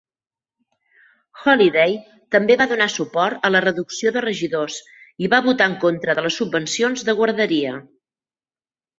Holyday també va donar suport a la reducció de regidors i va votar en contra de les subvencions de guarderia.